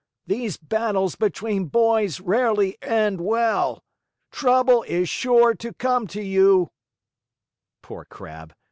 These battles between boys rarely end well. Trouble is sure to come to you!" Poor Crab!